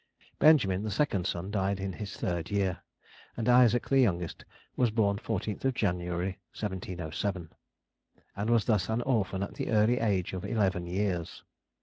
Benjamin, the second son, died in his third year; and Isaac, the youngest, was born 14th of January, 1707, and was thus an orphan at the early age of eleven years.